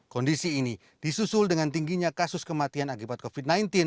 kondisi ini disusul dengan tingginya kasus kematian akibat covid sembilan belas